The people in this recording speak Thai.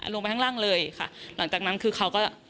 ลงไปข้างล่างเลยค่ะหลังจากนั้นคือเขาก็